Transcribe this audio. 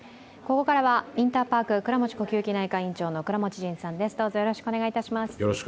ここからはインターパーク倉持呼吸器内科院長の倉持仁さんです。